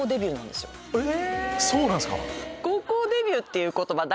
そうなんですか！